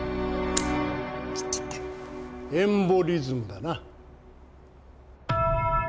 エンボリズムだな。